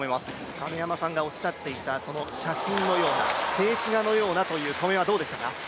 亀山さんがおっしゃっていた、写真のような静止画のようなというのはどうでしたか。